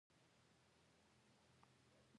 عملاً هغه تحقیق چې ما باید لیکلی وای.